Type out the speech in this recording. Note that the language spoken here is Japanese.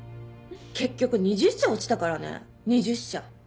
結局２０社落ちたからね２０社。